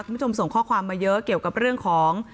คุณผู้ชมส่งข้อความมาเยอะเกี่ยวกับเรื่องของ